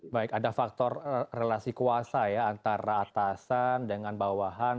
baik ada faktor relasi kuasa ya antara atasan dengan bawahan